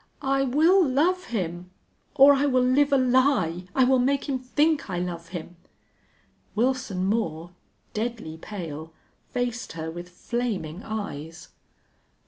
I will love him or I will live a lie! I will make him think I love him!" Wilson Moore, deadly pale, faced her with flaming eyes.